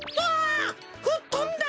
ふっとんだ！